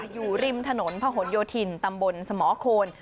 อยู่ริมถนนพะหนโยธินตำบลสมโคน